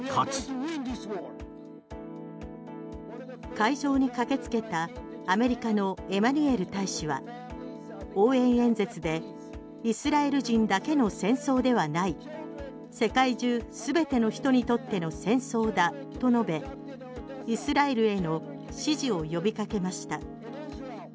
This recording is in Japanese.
会場に駆けつけたアメリカのエマニュエル大使は応援演説でイスラエル人だけの戦争ではない世界中全ての人にとっての戦争だと述べイスラエルへの支持を呼びかけました。